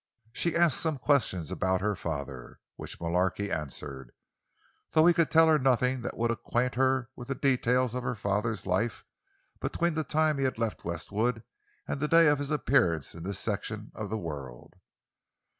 She asked some questions about her father—which Mullarky answered; though he could tell her nothing that would acquaint her with the details of her father's life between the time he had left Westwood and the day of his appearance in this section of the world.